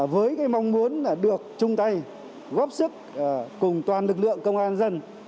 với mong muốn được trung tây góp sức cùng toàn lực lượng công an dân